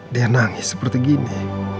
dia nangis seperti gini